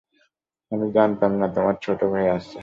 আমি জানতাম না, তোমার ছোট ভাই আছে।